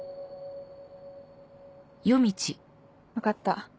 分かった。